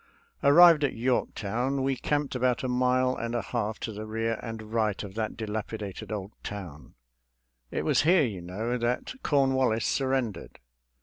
Arkivbd at Yorktown, we camped about a mile and a half to the rear and right of that dilapi dated old town. It was here, you know, that Cornwallis surrendered.